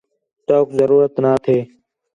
توک ضرورت نہ تھے